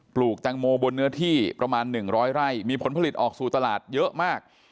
ลูกแตงโมบนเนื้อที่ประมาณ๑๐๐ไร่มีผลผลิตออกสู่ตลาดเยอะมาก